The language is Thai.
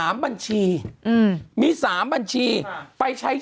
คุณหนุ่มกัญชัยได้เล่าใหญ่ใจความไปสักส่วนใหญ่แล้ว